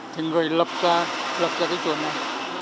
thì người lập ra cái chùa này